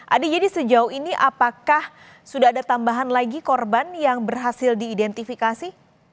adi jadi sejauh ini apakah sudah ada tambahan lagi korban yang berhasil diidentifikasi